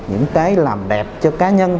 những cái làm đẹp cho cá nhân